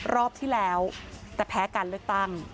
รอบที่แล้วแต่แพ้กันเลยต่าง